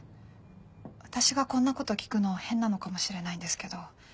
私がこんなこと聞くのは変なのかもしれないんですけど。